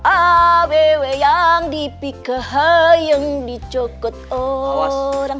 awewe yang dipikahi yang dicokot orang